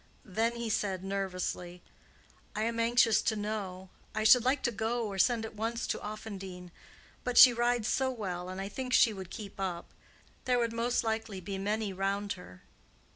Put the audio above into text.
Then he said, nervously, "I am anxious to know—I should like to go or send at once to Offendene—but she rides so well, and I think she would keep up—there would most likely be many round her."